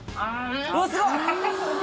うわすごい。